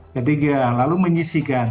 ketiga lalu menyisihkan